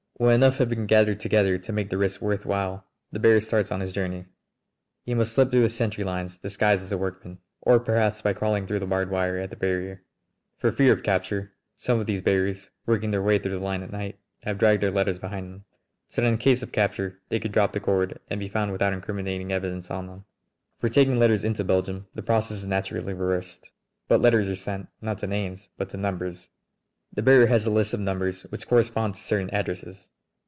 When enough have been gathered together to make the risk worth while the bearer starts on his journey. He must slip through the sentry lines disguised as a workman, or perhaps by crawling through the barbed wire at the barrier. For fear of capture some of these bearers, working their way through the line at night, have dragged their letters behind them, so that in case of capture they could drop the cord and be found without incriminating evidence on them. For taking letters into Belgium the process is naturally reversed. But letters are sent, not to names, but to numbers. The bearer has a list of numbers which correspond to certain addresses.